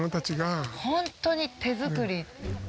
本当に手作り。